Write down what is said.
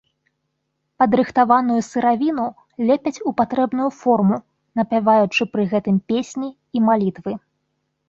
Падрыхтаваную сыравіну лепяць у патрэбную форму, напяваючы пры гэтым песні і малітвы.